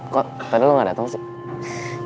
kok tadi lo ga dateng sih